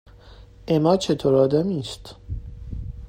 اِما چطور آدمی است؟